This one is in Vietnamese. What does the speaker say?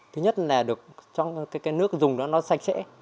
thứ nhất là được cái nước dùng đó nó sạch sẽ